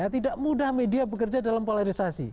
tidak mudah media bekerja dalam polarisasi